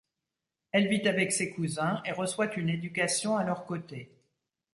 Elle vit avec ses cousins et reçoit une éducation à leurs côtés.